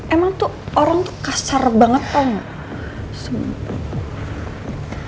emang tuh orang tuh kasar banget tau gak